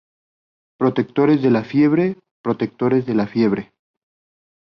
حماة الحمى يا حماة الحمى